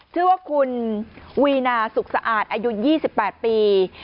ชื่อว่าคุณวีนาสุขสะอาดอายุ๒๘ปี